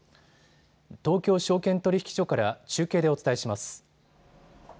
東京証券取引所から中継でお伝えします。